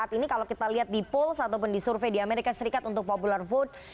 ini kalau kita lihat di pools ataupun di survei di amerika serikat untuk popular vote